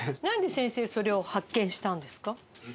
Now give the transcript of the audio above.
なんで先生それを発見したんですか？